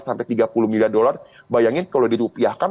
sampai tiga puluh miliar dolar bayangin kalau dirupiahkan